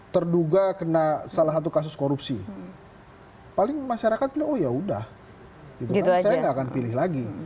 terduga kena salah satu kasus korupsi paling masyarakat oh ya udah gitu aja akan pilih lagi